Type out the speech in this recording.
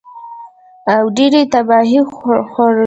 او ډېرې تباهۍ خوروي